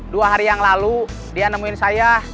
dua hari yang lalu dia nemuin saya